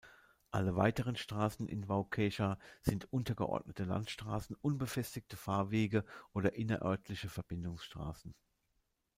Alle weiteren Straßen in Waukesha sind untergeordnete Landstraßen, unbefestigte Fahrwege oder innerörtliche Verbindungsstraßen.